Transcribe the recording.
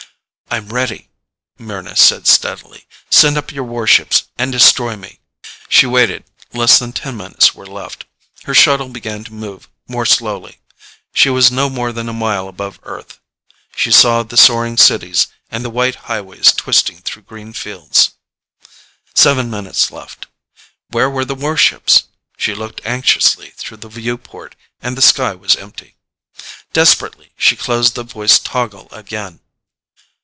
"I'm ready," Mryna said steadily. "Send up your warships and destroy me." She waited. Less than ten minutes were left. Her shuttle began to move more slowly. She was no more than a mile above Earth. She saw the soaring cities and the white highways twisting through green fields. Seven minutes left. Where were the warships? She looked anxiously through the viewport and the sky was empty. Desperately she closed the voice toggle again.